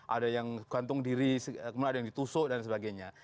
ada yang gantung diri kemudian ada yang ditusuk dan sebagainya